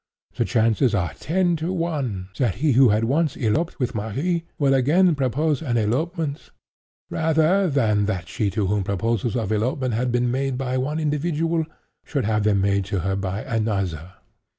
The chances are ten to one, that he who had once eloped with Marie, would again propose an elopement, rather than that she to whom proposals of elopement had been made by one individual, should have them made to her by another.